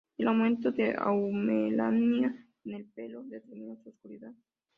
El aumento de eumelanina en el pelo determina su oscuridad.